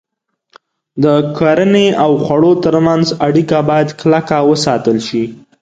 د کرنې او خوړو تر منځ اړیکه باید کلکه وساتل شي.